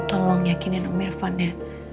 tolong yakinin om mirvannya